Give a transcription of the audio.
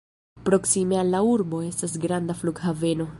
Proksime al la urbo estas granda flughaveno.